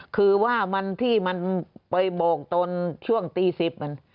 คือว่ามันที่มันไปโบกตอนช่วงตี๑๐มัน